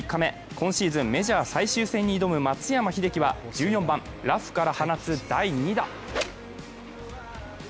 今シーズンメジャー最終戦に挑む松山英樹は１４番ラフから放つ第２打。